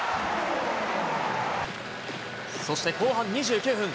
そして後半２９分。